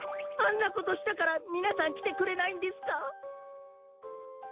あんなことしたからみなさんきてくれないんですか？